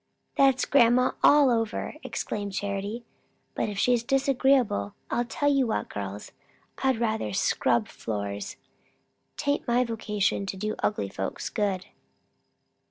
"That's grandma all over!" exclaimed Charity; "but if she's disagreeable, I'll tell you what, girls, I'd rather scrub floors. 'Tain't my vocation to do ugly folks good."